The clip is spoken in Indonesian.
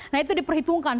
nah itu diperhitungkan